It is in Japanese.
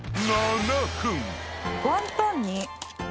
ワンタンに。